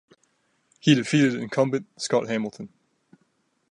He defeated incumbent Scott Hamilton.